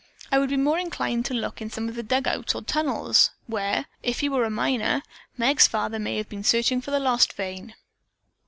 I would be more inclined to look in some of the dug outs or tunnels where, if he were a miner, Meg's father may have been searching for the lost vein."